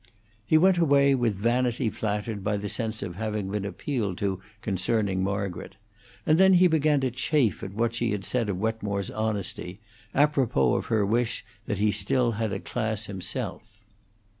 He went away with vanity flattered by the sense of having been appealed to concerning Margaret, and then he began to chafe at what she had said of Wetmore's honesty, apropos of her wish that he still had a class himself.